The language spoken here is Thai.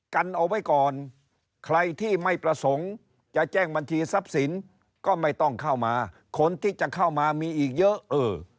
กันเอาไว้ก่อนใครที่ไม่ประสงค์จะแจ้งบัญชีทรัพย์สินก็ไม่ต้องเข้ามาคนที่จะเข้ามามีอีกเยอะเออ